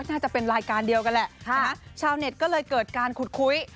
น่าจะเป็นรายการเดียวกันแหละชาวเน็ตก็เลยเกิดการขุดคุย